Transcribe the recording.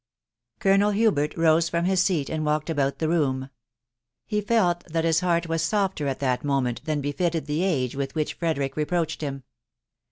Colonel Hubert rose from his seat and walked about the room. He felt that his heart was softer at that moment than befitted the age with which Frederick reproached him.